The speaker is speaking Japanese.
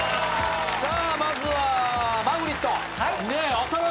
まずはマグリット。